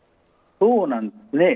そうなんですね。